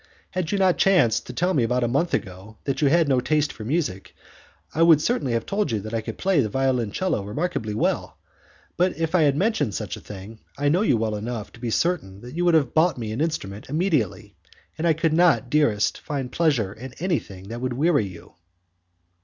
Had you not chanced to tell me about a month ago that you had no taste for music, I would have told you that I could play the violoncello remarkably well, but if I had mentioned such a thing, I know you well enough to be certain that you would have bought an instrument immediately, and I could not, dearest, find pleasure in anything that would weary you."